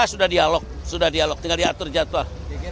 sudah dialog sudah dialog tinggal diatur jadwal